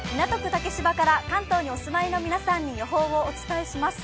竹芝から関東にお住まいの皆さんに予報をお伝えします。